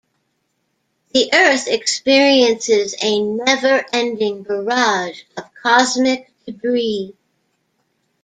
The Earth experiences a never ending barrage of cosmic debris.